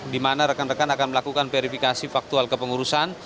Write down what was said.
di mana rekan rekan akan melakukan verifikasi faktual kepengurusan